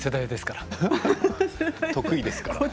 得意ですから。